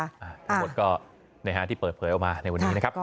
ทั้งหมดก็ที่เปิดเผยออกมาในวันนี้นะครับ